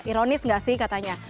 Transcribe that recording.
ironis gak sih katanya